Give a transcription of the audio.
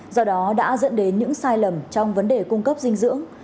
do đó đã dẫn đến những sai lầm trong vấn đề cung cấp dinh dưỡng